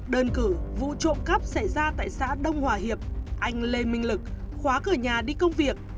đơn cử vụ trộm cắp xảy ra tại xã đông hòa hiệp anh lê minh lực khóa cửa nhà đi công việc